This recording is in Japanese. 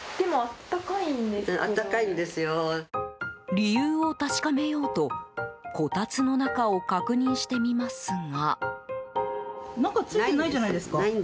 理由を確かめようとこたつの中を確認してみますが。